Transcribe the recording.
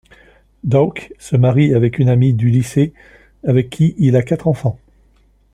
Doak se marie avec une amie du lycée avec qui il a quatre enfants.